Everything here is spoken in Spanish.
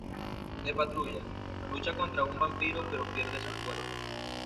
De patrulla, lucha contra un vampiro pero pierde su fuerza.